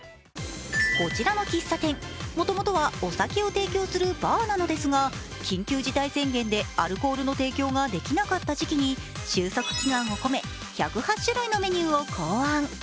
こちらの喫茶店、もともとはお酒を提供するバーなのですが緊急事態宣言でアルコールの提供ができなかった時期に収束祈願を込め、１０８種類のメニューを考案。